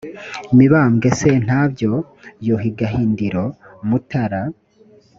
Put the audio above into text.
mibambwe sentabyo, yuhi gahindiro, mutara